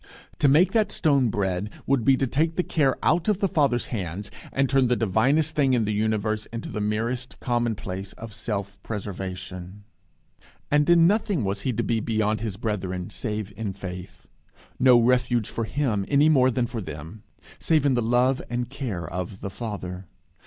To make that stone bread would be to take the care out of the Father's hands, and turn the divinest thing in the universe into the merest commonplace of self preservation. And in nothing was he to be beyond his brethren, save in faith. No refuge for him, any more than for them, save in the love and care of the Father.